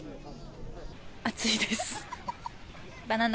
暑いです。